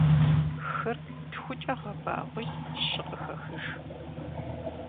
Хыр тхукӏэ гъэбагъуи щы къыхэхыж.